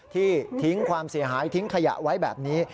ทิ้งความเสียหายทิ้งขยะไว้แบบนี้